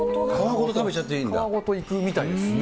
皮ごといくみたいです。